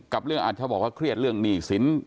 กับเรื่องอาจจะบอกว่าเครียดเรื่องหนี้สิน